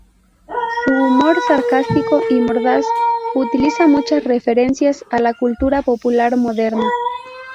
Su humor sarcástico y mordaz utiliza muchas referencias a la cultura popular moderna.